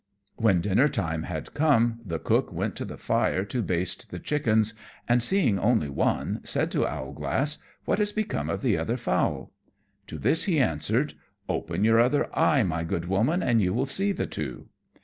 When dinner time had come the cook went to the fire to baste the chickens, and seeing only one, said to Owlglass, "What has become of the other fowl?" To this he answered, "Open your other eye, my good Woman, and you will see the two."